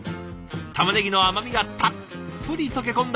たまねぎの甘みがたっぷり溶け込んだ